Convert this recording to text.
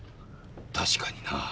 確かにな。